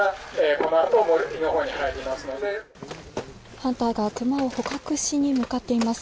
ハンターがクマを捕獲しに向かっています。